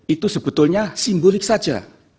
itu sebetulnya simbolik saja